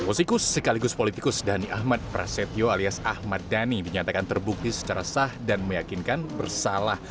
musikus sekaligus politikus dhani ahmad prasetyo alias ahmad dhani dinyatakan terbukti secara sah dan meyakinkan bersalah